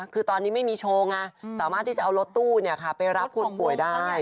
คือตอนนี้ไม่มีโชว์ไงสามารถที่จะเอารถตู้ไปรับผู้ป่วยได้